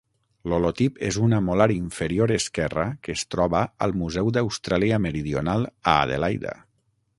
L'holotip és una molar inferior esquerra que es troba al Museu d'Austràlia Meridional a Adelaida.